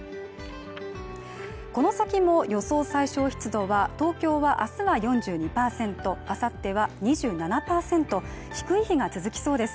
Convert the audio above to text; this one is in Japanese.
この先も予想最小湿度は東京は明日は４２％あさっては２７％低い日が続きそうです